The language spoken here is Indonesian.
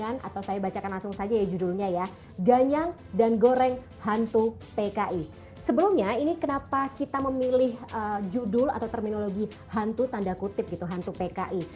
sebelumnya ini kenapa kita memilih judul atau terminologi hantu tanda kutip gitu hantu pki